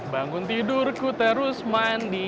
bangun tidur kuterus mandi